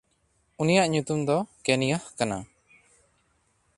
ᱩᱱᱤᱭᱟᱜ ᱧᱩᱛᱩᱢ ᱫᱚ ᱠᱮᱱᱤᱭᱟᱦ ᱠᱟᱱᱟ᱾